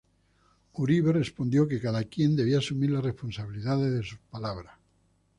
Uribe respondió que cada quien debía asumir la responsabilidad de sus palabras.